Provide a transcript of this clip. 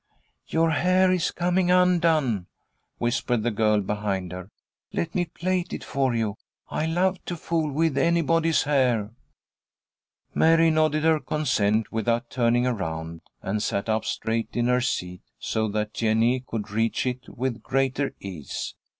"Your hair is coming undone," whispered the girl behind her. "Let me plait it for you. I love to fool with anybody's hair." Mary nodded her consent without turning around, and sat up straight in her seat, so that Jennie could reach it with greater ease.